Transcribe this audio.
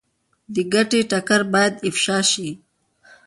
د ګټې ټکر باید افشا شي.